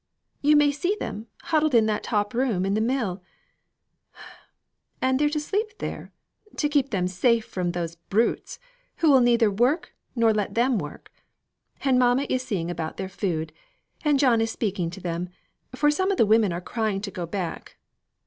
You may see them huddled in that top room in the mill, and they're to sleep there, to keep them safe from those brutes, who will neither work or let them work. And mamma is seeing about their food, and John is speaking to them, for some of the women are crying to go back.